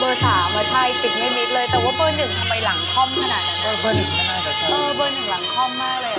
รอพอหนึ่ง